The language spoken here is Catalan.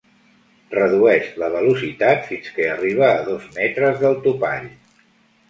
Redueix la velocitat fins que arriba a dos metres del topall.